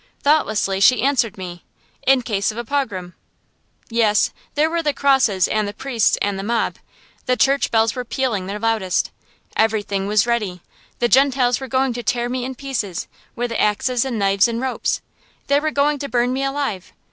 Thoughtlessly she answered me, "In case of a pogrom." Yes, there were the crosses and the priests and the mob. The church bells were pealing their loudest. Everything was ready. The Gentiles were going to tear me in pieces, with axes and knives and ropes. They were going to burn me alive.